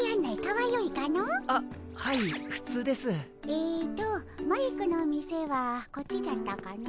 えっとマイクの店はこっちじゃったかの。